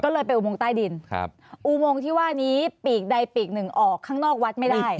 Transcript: ก็เลยไปอุโมงใต้ดินครับอุโมงที่ว่านี้ปีกใดปีกหนึ่งออกข้างนอกวัดไม่ได้